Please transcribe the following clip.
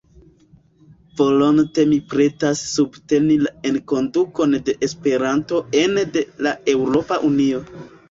Volonte mi pretas subteni la enkondukon de Esperanto ene de la Eŭropa Unio.